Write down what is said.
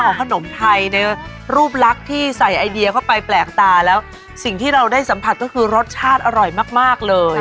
ขนมไทยในรูปลักษณ์ที่ใส่ไอเดียเข้าไปแปลกตาแล้วสิ่งที่เราได้สัมผัสก็คือรสชาติอร่อยมากมากเลย